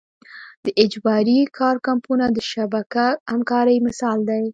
د اجباري کار کمپونه د شبکه همکارۍ مثال دی.